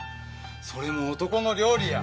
それも男の料理や。